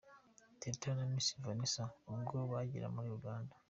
Teta na Miss Vanessa ubwo bageraga muri Uganda.